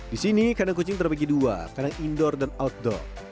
di sini kandang kucing terbagi dua kandang indoor dan outdoor